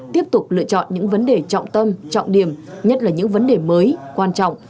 tiếp tục lựa chọn những vấn đề trọng tâm trọng điểm nhất là những vấn đề mới quan trọng